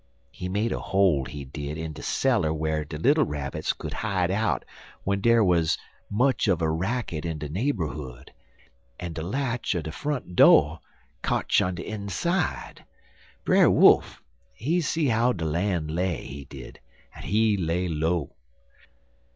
He made a hole, he did, in de cellar whar de little Rabbits could hide out w'en dar wuz much uv a racket in de neighborhood, en de latch er de front do' kotch on de inside. Brer Wolf, he see how de lan' lay, he did, en he lay low.